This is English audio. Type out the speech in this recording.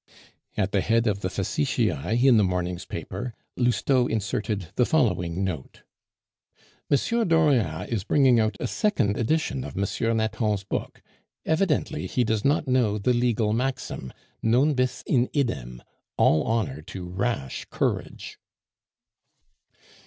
At the head of the "Facetiae" in the morning's paper, Lousteau inserted the following note: "M. Dauriat is bringing out a second edition of M. Nathan's book. Evidently he does not know the legal maxim, Non bis in idem. All honor to rash courage."